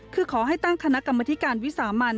คือขอให้ตั้งคณะกรรมธิการวิสามัน